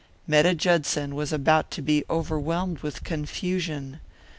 Metta Judson was about to be overwhelmed with confusion.